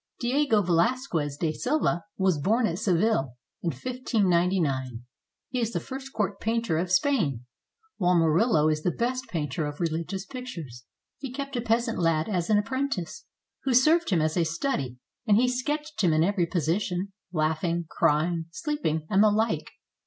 ] Diego Velasquez de Silva was bom at Seville in 1599. He is the finest court painter of Spain, while Murillo is the best painter of religious pictures. He kept a peas ant lad as an apprentice, who served him as a study, and he sketched him in every position, — laughing, crying, sleeping, and the like.